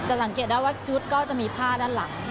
สังเกตได้ว่าชุดก็จะมีผ้าด้านหลัง